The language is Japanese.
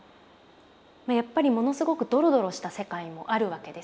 やっぱりものすごくドロドロした世界もあるわけですよね。